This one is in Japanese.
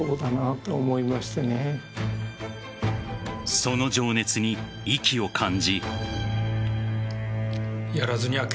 その情熱に意気を感じ。